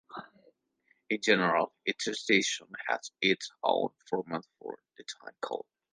In general, each station has its own format for the time code.